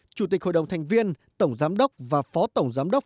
chủ tịch hội đồng thành viên tổng giám đốc và phó tổng giám đốc